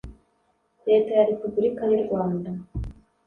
leta ya repubulika y’u rwanda